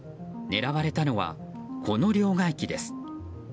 狙われたのは、この両替機です。